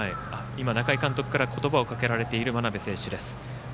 中井監督から言葉をかけられていた真鍋選手です。